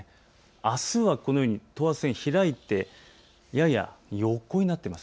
あすはこのように等圧線が開いてやや横になっています。